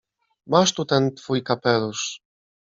— Masz tu ten twój kapelusz.